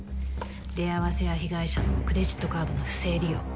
出会わせ屋被害者のクレジットカードの不正利用